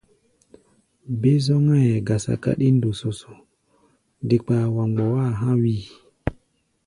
Be-zɔ́ŋáʼɛ gasa káɗí ndɔsɔsɔ, de kpaa wa mgbɔá a̧ há̧ wíi.